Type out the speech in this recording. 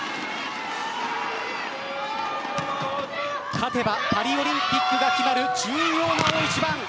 勝てばパリオリンピックが決まる重要な大一番。